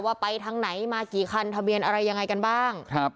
ว่าไปทางไหนมากี่คันทะเบียนอะไรยังไงกันบ้าง